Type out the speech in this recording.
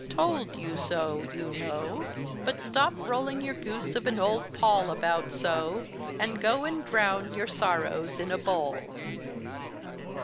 Told you so, you know—but stop rolling your goose of an old poll about so, and go and drown your sorrows in a bowl!